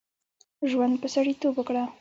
ژوند په سړیتوب وکړه.